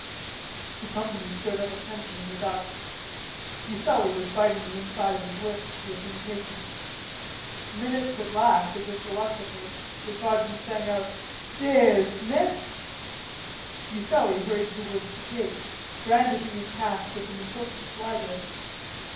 The company stood at attention in the dusk. Fuselli was biting the inside of his lips with impatience. Minutes at last, as if reluctantly, the sergeant sang out: "Dis...missed." Fuselli hurried towards the gate, brandishing his pass with an important swagger.